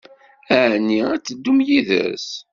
Ɛni ad teddum yid-s?